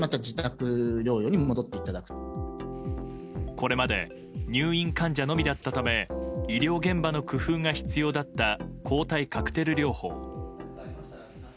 これまで入院患者のみだったため医療現場の工夫が必要だった抗体カクテル療法。